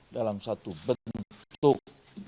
dalam satu bentuk